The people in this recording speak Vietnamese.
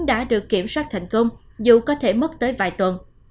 đã được kiểm soát thành công dù có thể mất tới vài tuần